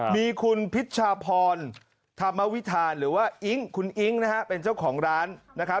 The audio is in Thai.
มีคุณพิชชาพรธรรมวิธานหรือว่าอิ๊งคุณอิ๊งนะฮะเป็นเจ้าของร้านนะครับ